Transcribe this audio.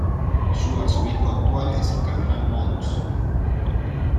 Su arzobispo actual es el cardenal Mons.